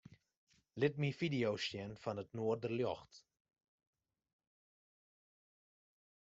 Lit my fideo's sjen fan it noarderljocht.